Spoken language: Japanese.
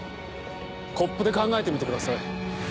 コップで考えてみてください。